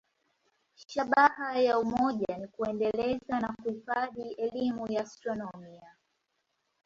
Shabaha ya umoja ni kuendeleza na kuhifadhi elimu ya astronomia.